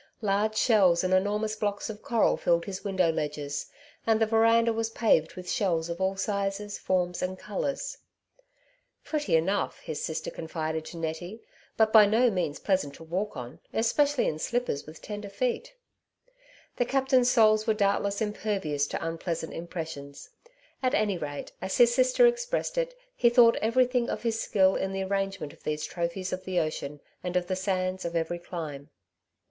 Large shells and enor mous blocks of coral filled his window ledges, and the verandah was paved with shells^ of all sizes, forms, and colours. " Pretty enough,^^ his sister confided to Nettie, ^* but by no means pleasant to walk on, especially in slippers and with tender feet.^^ The captain's soles were doubtless impervious to un pleasant impressions \ at any rate, as his sister ex pressed it he thought everything of his skill in the arrangement of these trophies of the ocean and of the sands of every clime.